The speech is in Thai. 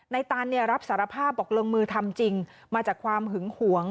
ตันรับสารภาพบอกลงมือทำจริงมาจากความหึงหวง